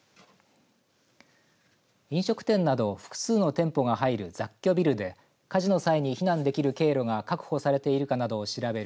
飲食店など複数の店舗が入る雑居ビルで火事の際に避難できる経路が確保できているか調べる